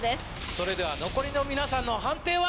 それでは残りの皆さんの判定は？